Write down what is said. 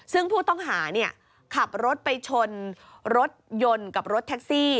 ซึ่งผู้ต้องหาขับรถไปชนรถยนต์กับรถแท็กซี่